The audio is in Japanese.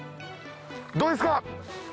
どうですか？